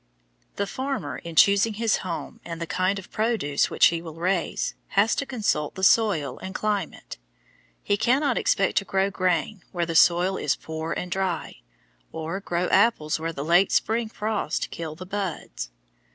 The farmer, in choosing his home and the kind of produce which he will raise, has to consult the soil and climate. He cannot expect to grow grain where the soil is poor and dry, or grow apples where the late spring frosts kill the buds.